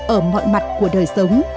ở mọi mặt của đời sống